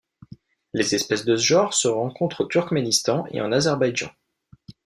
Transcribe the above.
Les espèces de ce genre se rencontrent au Turkménistan et en Azerbaïdjan.